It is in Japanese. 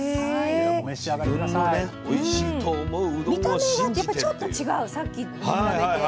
見た目がやっぱりちょっと違うさっきに比べて。